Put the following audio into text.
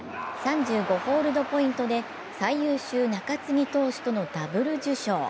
３５ホールドポイントで最優秀中継ぎ投手とのダブル受賞。